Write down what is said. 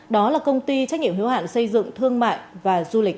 đó là công ty trách nhiệm hiếu hạn xây dựng thương mại và du lịch